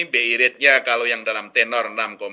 bi rate nya kalau yang dalam tenor